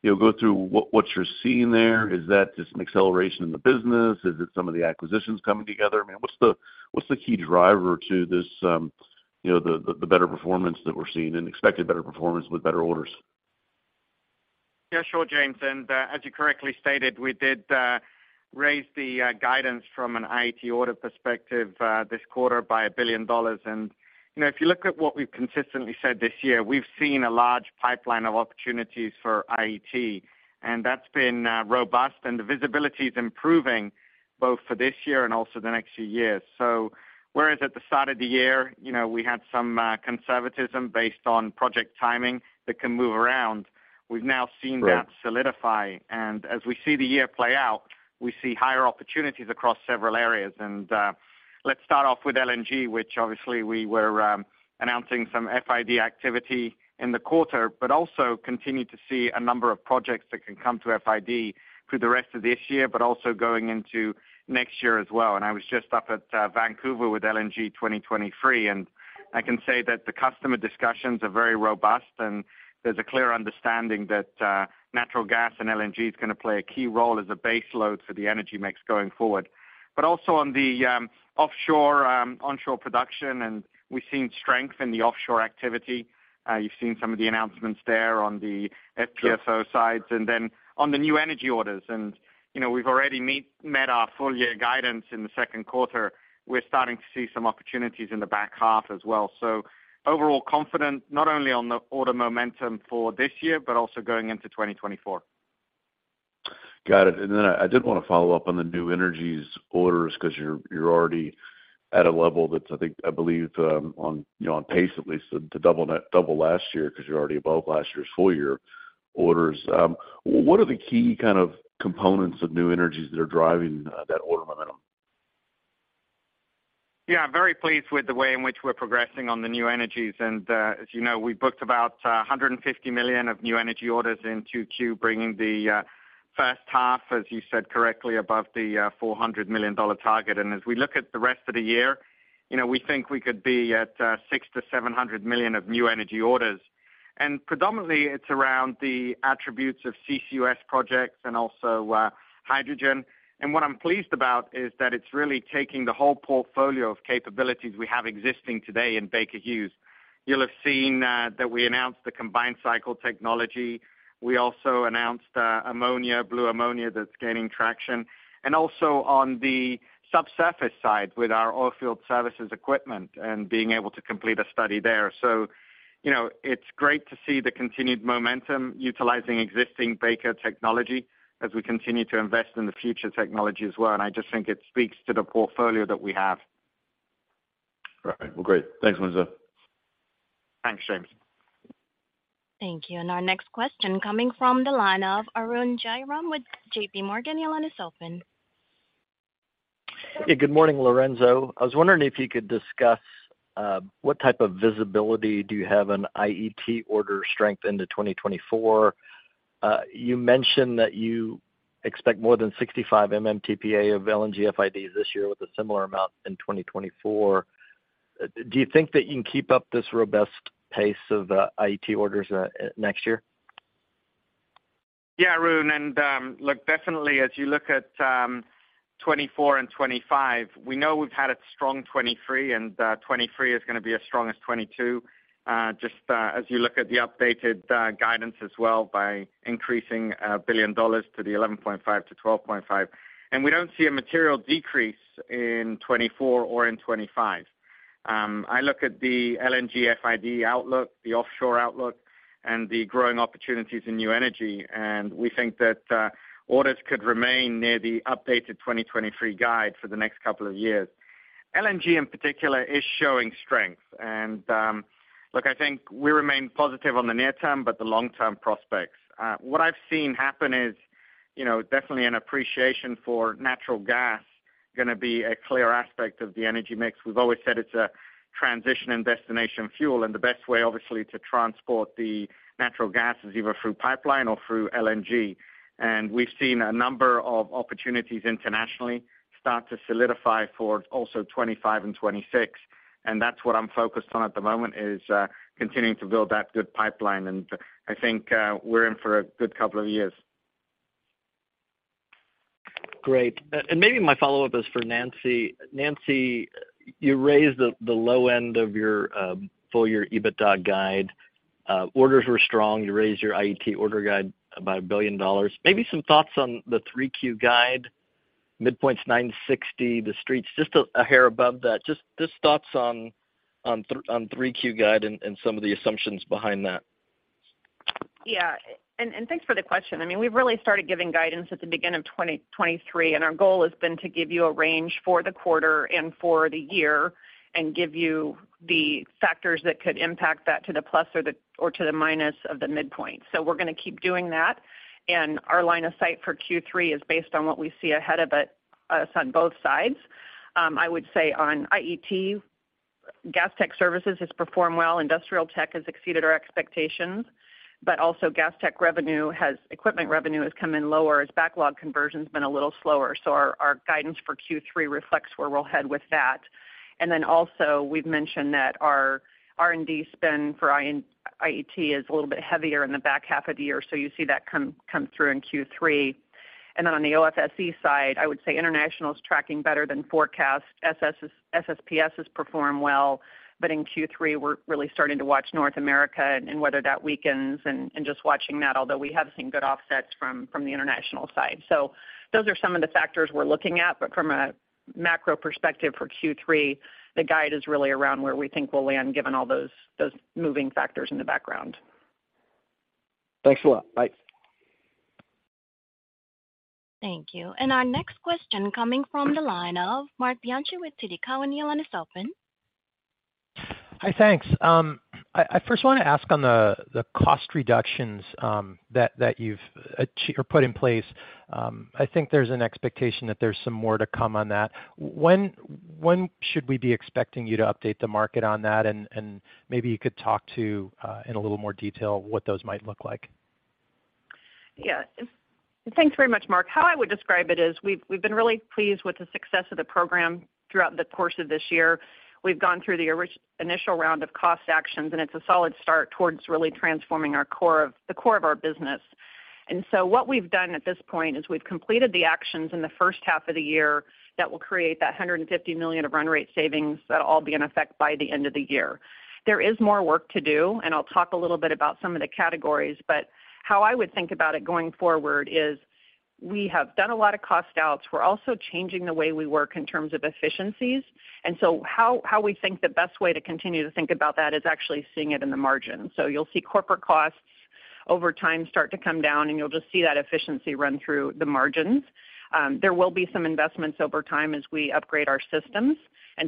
you know, go through what you're seeing there? Is that just an acceleration in the business? Is it some of the acquisitions coming together? I mean, what's the key driver to this, you know, the better performance that we're seeing and expected better performance with better orders? Yeah, sure, James, as you correctly stated, we did raise the guidance from an IET order perspective this quarter by $1 billion. You know, if you look at what we've consistently said this year, we've seen a large pipeline of opportunities for IET, and that's been robust, and the visibility is improving both for this year and also the next few years. Whereas at the start of the year, you know, we had some conservatism based on project timing that can move around, we've now seen that. Right... solidify. As we see the year play out, we see higher opportunities across several areas. Let's start off with LNG, which obviously we were announcing some FID activity in the quarter, but also continue to see a number of projects that can come to FID through the rest of this year, but also going into next year as well. I was just up at Vancouver with LNG2023, and I can say that the customer discussions are very robust, and there's a clear understanding that natural gas and LNG is gonna play a key role as a base load for the energy mix going forward. Also on the offshore, onshore production, we've seen strength in the offshore activity. You've seen some of the announcements there on the FPSO sides. On the new energy orders, you know, we've already met our full year guidance in the second quarter. We're starting to see some opportunities in the back half as well. Overall confident, not only on the order momentum for this year, but also going into 2024. Got it. I did wanna follow up on the new energies orders, 'cause you're already at a level that's, I think, I believe, on, you know, on pace at least to double last year, 'cause you're already above last year's full year orders. What are the key kind of components of new energies that are driving that order momentum? Yeah, very pleased with the way in which we're progressing on the new energies. As you know, we booked about $150 million of new energy orders in 2Q, bringing the first half, as you said correctly, above the $400 million target. As we look at the rest of the year, you know, we think we could be at $600 million-$700 million of new energy orders. Predominantly, it's around the attributes of CCUS projects and also hydrogen. What I'm pleased about is that it's really taking the whole portfolio of capabilities we have existing today in Baker Hughes. You'll have seen that we announced the combined cycle technology. We also announced ammonia, blue ammonia, that's gaining traction, and also on the subsurface side with our oilfield services equipment and being able to complete a study there. You know, it's great to see the continued momentum utilizing existing Baker technology as we continue to invest in the future technology as well. I just think it speaks to the portfolio that we have. Right. Well, great. Thanks, Lorenzo. Thanks, James. Thank you. Our next question coming from the line of Arun Jayaram with JP Morgan. Your line is open. Hey, good morning, Lorenzo. I was wondering if you could discuss, what type of visibility do you have on IET order strength into 2024? You mentioned that you expect more than 65 MTPA of LNG FID this year with a similar amount in 2024. Do you think that you can keep up this robust pace of, IET orders, next year? Yeah, Arun, look, definitely as you look at 2024 and 2025, we know we've had a strong 2023, and 2023 is gonna be as strong as 2022. Just as you look at the updated guidance as well by increasing billion dollars to the $11.5 billion-$12.5 billion. We don't see a material decrease in 2024 or in 2025. I look at the LNG FID outlook, the offshore outlook, and the growing opportunities in new energy, and we think that orders could remain near the updated 2023 guide for the next couple of years. LNG, in particular, is showing strength. Look, I think we remain positive on the near term, but the long-term prospects. What I've seen happen is, you know, definitely an appreciation for natural gas going to be a clear aspect of the energy mix. We've always said it's a transition and destination fuel, the best way, obviously, to transport the natural gas is either through pipeline or through LNG. We've seen a number of opportunities internationally start to solidify for also 2025 and 2026, and that's what I'm focused on at the moment, is continuing to build that good pipeline. I think we're in for a good couple of years. Maybe my follow-up is for Nancy. Nancy, you raised the low end of your full year EBITDA guide. Orders were strong. You raised your IET order guide about $1 billion. Maybe some thoughts on the 3Q guide, midpoints $960, the Street's just a hair above that. Just thoughts on 3Q guide and some of the assumptions behind that. Yeah, and thanks for the question. I mean, we've really started giving guidance at the beginning of 2023, and our goal has been to give you a range for the quarter and for the year, and give you the factors that could impact that to the plus or to the minus of the midpoint. We're gonna keep doing that. Our line of sight for Q3 is based on what we see ahead of it, us on both sides. I would say on IET, gas tech services has performed well. Industrial tech has exceeded our expectations, also equipment revenue has come in lower as backlog conversion's been a little slower. Our guidance for Q3 reflects where we'll head with that. Also, we've mentioned that our R&D spend for IET is a little bit heavier in the back half of the year, so you see that come through in Q3. On the OFSE side, I would say international is tracking better than forecast. SSPS has performed well, but in Q3, we're really starting to watch North America and whether that weakens and just watching that, although we have seen good offsets from the international side. Those are some of the factors we're looking at, but from a macro perspective for Q3, the guide is really around where we think we'll land, given all those moving factors in the background. Thanks a lot. Bye. Thank you. Our next question coming from the line of Marc Bianchi with Citi. Your line is open. Hi, thanks. I first want to ask on the cost reductions, you've or put in place. I think there's an expectation that there's some more to come on that. When should we be expecting you to update the market on that? Maybe you could talk to, in a little more detail, what those might look like. Yeah. Thanks very much, Marc. How I would describe it is we've been really pleased with the success of the program throughout the course of this year. We've gone through the initial round of cost actions, and it's a solid start towards really transforming the core of our business. So what we've done at this point is we've completed the actions in the first half of the year that will create that $150 million of run rate savings that'll all be in effect by the end of the year. There is more work to do, and I'll talk a little bit about some of the categories, but how I would think about it going forward is we have done a lot of cost outs. We're also changing the way we work in terms of efficiencies. How we think the best way to continue to think about that is actually seeing it in the margin. You'll see corporate costs over time start to come down, and you'll just see that efficiency run through the margins. There will be some investments over time as we upgrade our systems,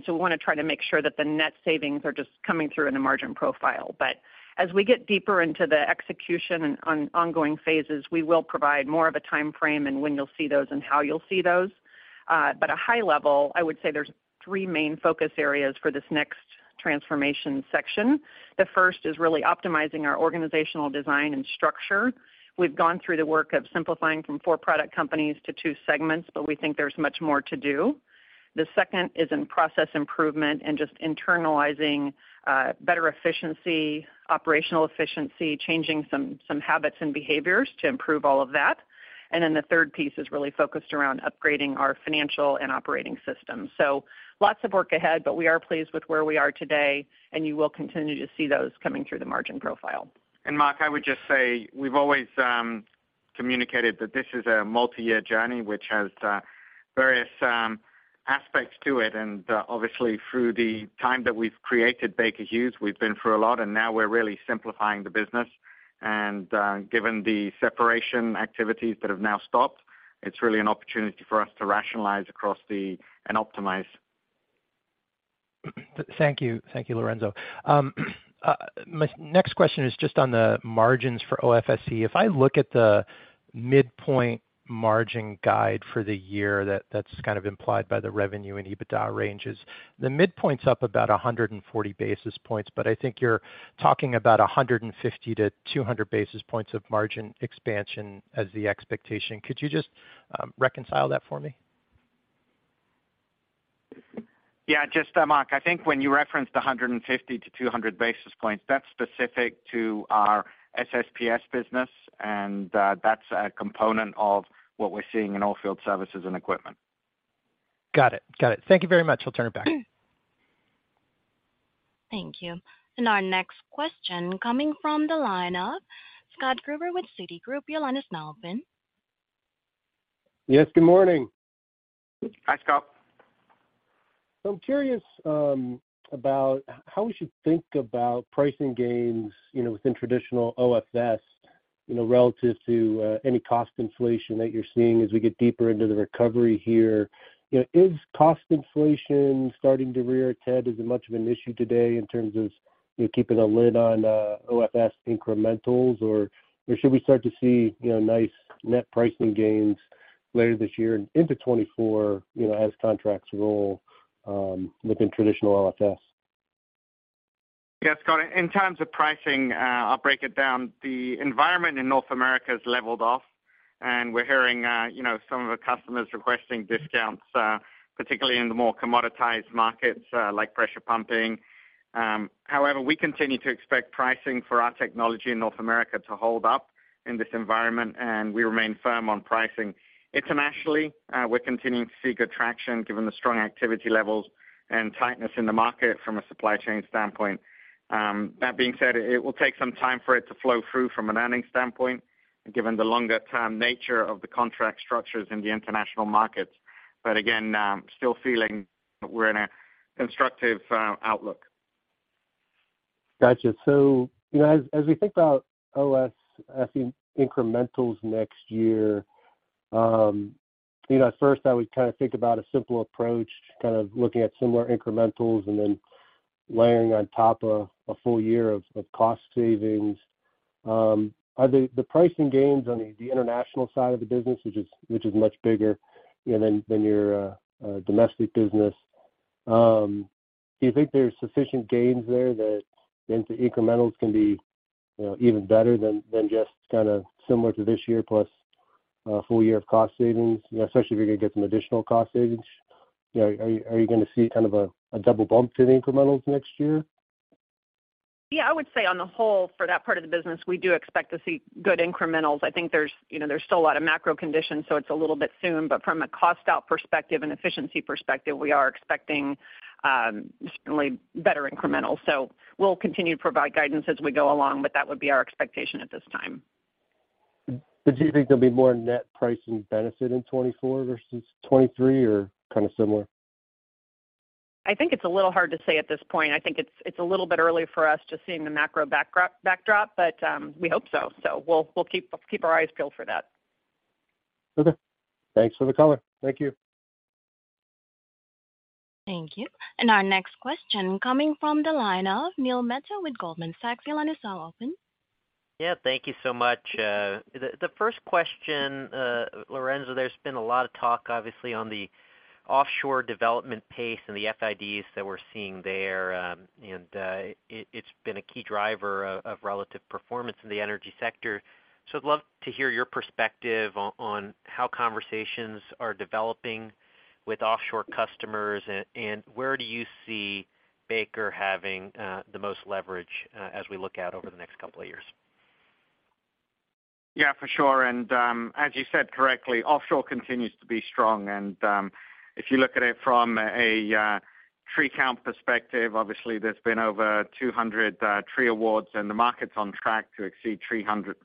we wanna try to make sure that the net savings are just coming through in the margin profile. As we get deeper into the execution and on ongoing phases, we will provide more of a timeframe and when you'll see those and how you'll see those. At high level, I would say there's three main focus areas for this next transformation section. The first is really optimizing our organizational design and structure. We've gone through the work of simplifying from four product companies to two segments. We think there's much more to do. The second is in process improvement and just internalizing better efficiency, operational efficiency, changing some habits and behaviors to improve all of that. The third piece is really focused around upgrading our financial and operating systems. Lots of work ahead, but we are pleased with where we are today, and you will continue to see those coming through the margin profile. Marc, I would just say, we've always communicated that this is a multi-year journey, which has various aspects to it. Obviously, through the time that we've created Baker Hughes, we've been through a lot, and now we're really simplifying the business. Given the separation activities that have now stopped, it's really an opportunity for us to rationalize and optimize. Thank you. Thank you, Lorenzo. My next question is just on the margins for OFSE. If I look at the midpoint margin guide for the year, that's kind of implied by the revenue and EBITDA ranges, the midpoint's up about 140 basis points, but I think you're talking about 150 to 200 basis points of margin expansion as the expectation. Could you just reconcile that for me? Marc, I think when you referenced the 150-200 basis points, that's specific to our SSPS business, and that's a component of what we're seeing in Oilfield Services & Equipment. Got it. Thank you very much. I'll turn it back. Thank you. Our next question coming from the line of Scott Gruber with Citigroup. Your line is now open. Yes, good morning. Hi, Scott. I'm curious about how we should think about pricing gains, you know, within traditional OFS, you know, relative to any cost inflation that you're seeing as we get deeper into the recovery here. You know, is cost inflation starting to rear its head? Is it much of an issue today in terms of, you know, keeping a lid on OFS incrementals, or should we start to see, you know, nice net pricing gains later this year and into 2024, you know, as contracts roll within traditional OFS? Yeah, Scott, in terms of pricing, I'll break it down. The environment in North America has leveled off, and we're hearing, you know, some of the customers requesting discounts, particularly in the more commoditized markets, like pressure pumping. However, we continue to expect pricing for our technology in North America to hold up in this environment, and we remain firm on pricing. Internationally, we're continuing to see good traction given the strong activity levels and tightness in the market from a supply chain standpoint. That being said, it will take some time for it to flow through from an earnings standpoint, given the longer-term nature of the contract structures in the international markets. Again, still feeling we're in a constructive outlook. Gotcha. You know, as we think about OFS, I think, incrementals next year, you know, at first I would kind of think about a simple approach, kind of looking at similar incrementals and then layering on top of a full year of cost savings. Are the pricing gains on the international side of the business, which is much bigger, you know, than your domestic business, do you think there's sufficient gains there that the incrementals can be, you know, even better than just kind of similar to this year plus a full year of cost savings? You know, especially if you're gonna get some additional cost savings, you know, are you gonna see kind of a double bump to the incrementals next year? Yeah, I would say on the whole, for that part of the business, we do expect to see good incrementals. I think there's, you know, there's still a lot of macro conditions, so it's a little bit soon. From a cost out perspective and efficiency perspective, we are expecting, certainly better incrementals. We'll continue to provide guidance as we go along, but that would be our expectation at this time. Do you think there'll be more net pricing benefit in 2024 versus 2023, or kind of similar? I think it's a little hard to say at this point. I think it's a little bit early for us just seeing the macro backdrop, but we hope so. We'll keep our eyes peeled for that. Okay. Thanks for the color. Thank you. Thank you. Our next question coming from the line of Neil Mehta with Goldman Sachs. Your line is now open. Yeah, thank you so much. The first question, Lorenzo, there's been a lot of talk, obviously, on the offshore development pace and the FIDs that we're seeing there, and it's been a key driver of relative performance in the energy sector. I'd love to hear your perspective on how conversations are developing with offshore customers, and where do you see Baker having the most leverage as we look out over the next couple of years? Yeah, for sure. As you said correctly, offshore continues to be strong, if you look at it from a tree count perspective, obviously there's been over 200 tree awards, the market's on track to exceed 300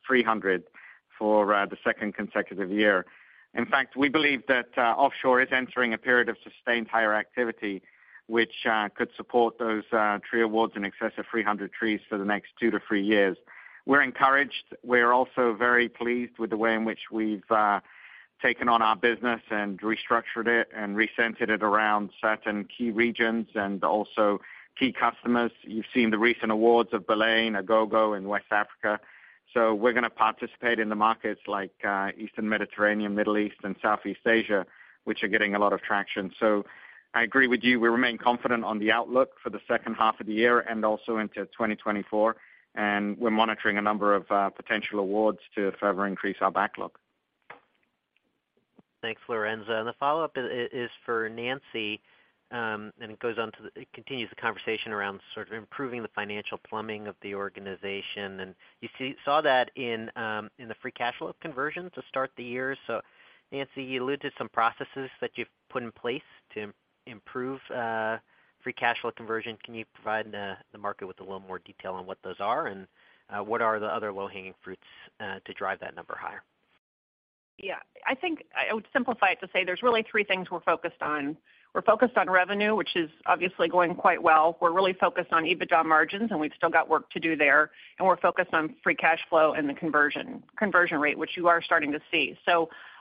for the second consecutive year. In fact, we believe that offshore is entering a period of sustained higher activity, which could support those tree awards in excess of 300 trees for the next 2-3 years. We're encouraged. We're also very pleased with the way in which we've taken on our business and restructured it and recentered it around certain key regions and also key customers. You've seen the recent awards of Baleine, Agogo in West Africa. We're going to participate in the markets like, Eastern Mediterranean, Middle East and Southeast Asia, which are getting a lot of traction. I agree with you. We remain confident on the outlook for the second half of the year and also into 2024, and we're monitoring a number of potential awards to further increase our backlog. Thanks, Lorenzo. The follow-up is for Nancy. It goes on to the, it continues the conversation around sort of improving the financial plumbing of the organization. You saw that in the free cash flow conversion to start the year. Nancy, you alluded to some processes that you've put in place to improve free cash flow conversion. Can you provide the market with a little more detail on what those are, and what are the other low-hanging fruits to drive that number higher? Yeah, I think I would simplify it to say there's really three things we're focused on. We're focused on revenue, which is obviously going quite well. We're really focused on EBITDA margins, and we've still got work to do there. We're focused on free cash flow and the conversion rate, which you are starting to see.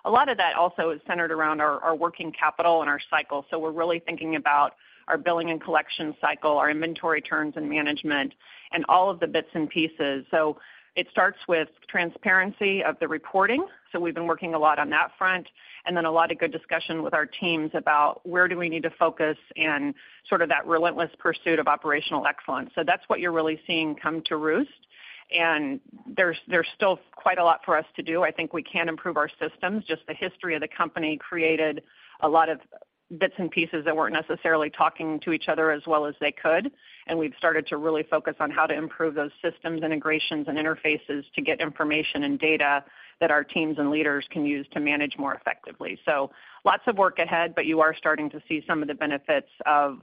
A lot of that also is centered around our working capital and our cycle. We're really thinking about our billing and collection cycle, our inventory turns and management, and all of the bits and pieces. It starts with transparency of the reporting. We've been working a lot on that front, and then a lot of good discussion with our teams about where do we need to focus and sort of that relentless pursuit of operational excellence. That's what you're really seeing come to roost, and there's still quite a lot for us to do. I think we can improve our systems. Just the history of the company created a lot of bits and pieces that weren't necessarily talking to each other as well as they could, and we've started to really focus on how to improve those systems, integrations, and interfaces to get information and data that our teams and leaders can use to manage more effectively. Lots of work ahead, but you are starting to see some of the benefits of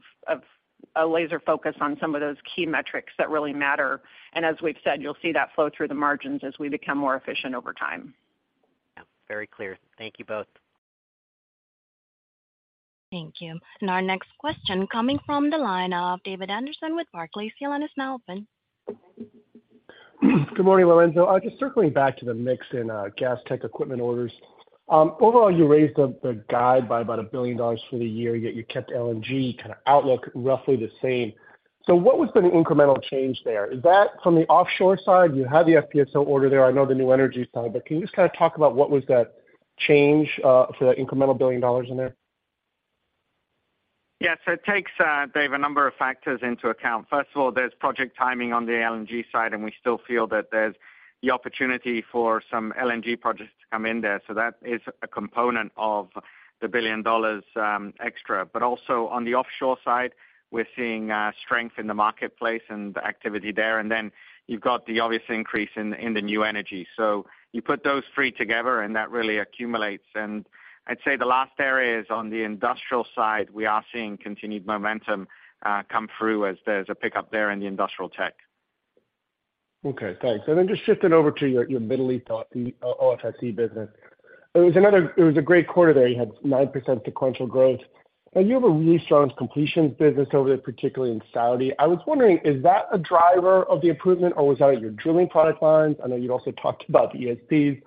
a laser focus on some of those key metrics that really matter. As we've said, you'll see that flow through the margins as we become more efficient over time. Yeah, very clear. Thank you both. Thank you. Our next question coming from the line of David Anderson with Barclays. Your line is now open. Good morning, Lorenzo. Just circling back to the mix in, gas tech equipment orders. Overall, you raised the guide by about $1 billion for the year, yet you kept LNG kind of outlook roughly the same. What was the incremental change there? Is that from the offshore side? You had the FPSO order there, I know the new energy side, but can you just kind of talk about what was that change, for that incremental $1 billion in there? It takes, Dave, a number of factors into account. First of all, there's project timing on the LNG side, and we still feel that there's the opportunity for some LNG projects to come in there. That is a component of the $1 billion extra. Also on the offshore side, we're seeing strength in the marketplace and the activity there. You've got the obvious increase in the new energy. You put those three together and that really accumulates. I'd say the last area is on the industrial side, we are seeing continued momentum come through as there's a pickup there in the industrial tech. Okay, thanks. Just shifting over to your Middle East OFSE business. It was a great quarter there. You had 9% sequential growth, and you have a really strong completions business over there, particularly in Saudi. I was wondering, is that a driver of the improvement, or was that your drilling product lines? I know you've also talked about the ESPs.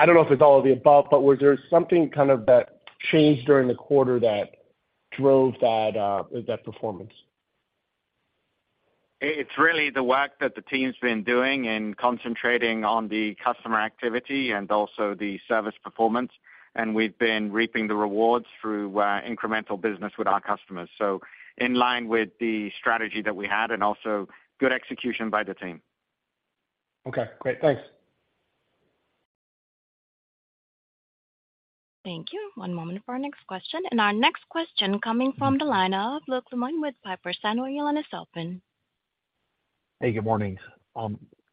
I don't know if it's all of the above, but was there something kind of that changed during the quarter that drove that performance? It's really the work that the team's been doing in concentrating on the customer activity and also the service performance. We've been reaping the rewards through incremental business with our customers. In line with the strategy that we had, and also good execution by the team. Okay, great. Thanks. Thank you. One moment for our next question. Our next question coming from the line of Luke Lemoine with Piper Sandler. Your line is open. Hey, good morning.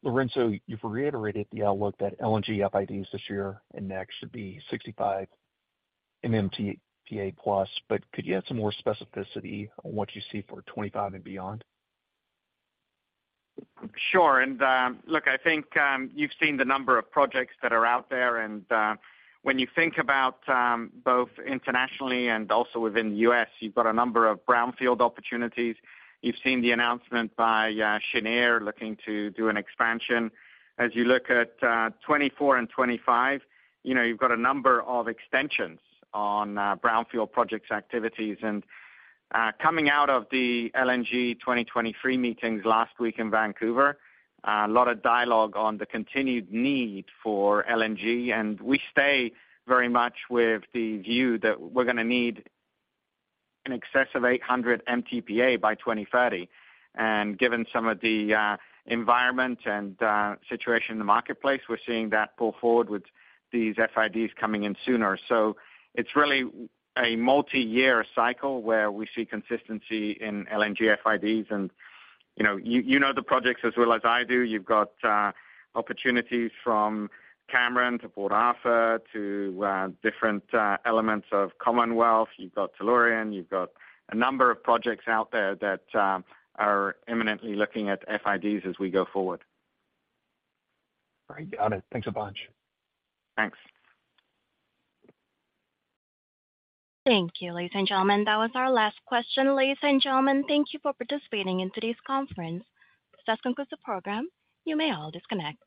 Lorenzo, you've reiterated the outlook that LNG FIDs this year and next should be 65 MTPA+, but could you add some more specificity on what you see for 2025 and beyond? Sure. Look, I think, you've seen the number of projects that are out there. When you think about both internationally and also within the U.S., you've got a number of brownfield opportunities. You've seen the announcement by Cheniere looking to do an expansion. As you look at 2024 and 2025, you know, you've got a number of extensions on brownfield projects activities. Coming out of the LNG2023 meetings last week in Vancouver, a lot of dialogue on the continued need for LNG, and we stay very much with the view that we're gonna need an excess of 800 MTPA by 2030. Given some of the environment and situation in the marketplace, we're seeing that pull forward with these FIDs coming in sooner. it's really a multiyear cycle, where we see consistency in LNG FIDs. you know, you know the projects as well as I do. You've got opportunities from Cameron to Port Arthur to different elements of Commonwealth. You've got Tellurian, you've got a number of projects out there that are imminently looking at FIDs as we go forward. Great. Got it. Thanks a bunch. Thanks. Thank you, ladies and gentlemen. That was our last question. Ladies and gentlemen, thank you for participating in today's conference. This concludes the program. You may all disconnect.